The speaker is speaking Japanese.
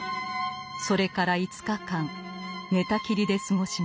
それから５日間寝たきりで過ごします。